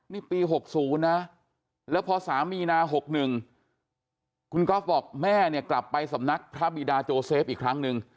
นี่ปี๖๐นะแล้วพอ๓มีนา๖๑คุณก๊อฟบอกแม่เนี่ยกลับไปสำนักพระบิดาโจเซฟอีกครั้งหนึ่ง